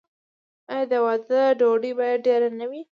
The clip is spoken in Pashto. آیا د واده ډوډۍ باید ډیره نه وي؟